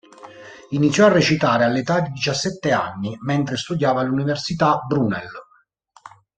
Iniziò a recitare all'età di diciassette anni mentre studiava all'Università Brunel.